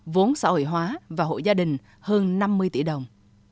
vốn xã hội hóa và hội gia đình hơn năm mươi tỷ đồng